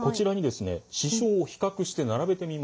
詞章を比較して並べてみました。